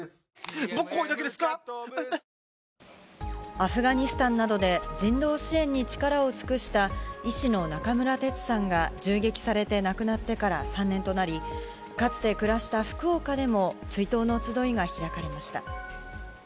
アフガニスタンなどで、人道支援に力を尽くした医師の中村哲さんが銃撃されて亡くなってから３年となり、かつて暮らした福岡でも、追悼の集いが開かれました。